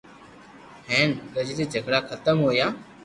ھين گڄري جگڙا ختم ھويا